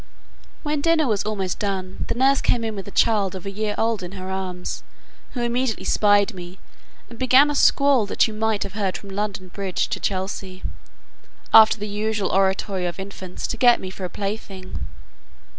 When dinner was almost done, the nurse came in with a child of a year old in her arms, who immediately spied me, and began a squall that you might have heard from London Bridge to Chelsea, after the usual oratory of infants, to get me for a plaything.